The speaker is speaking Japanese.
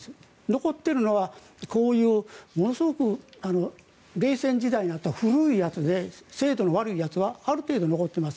残っているのはこういうものすごく冷戦時代にあった古いやつで精度の悪いやつはある程度残っています。